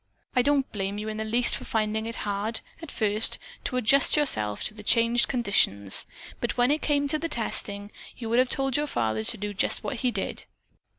I don't blame you in the least for finding it hard, at first, to adjust yourself to the changed conditions, but when it came to the testing, you would have told your father to do just what he did."